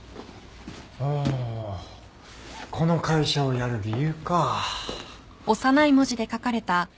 うーんこの会社をやる理由か。